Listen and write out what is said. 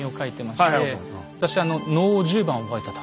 「私は能を十番覚えた」と。